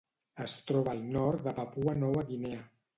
Es troba al nord de Papua Nova Guinea.